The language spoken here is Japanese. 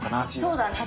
そうだね。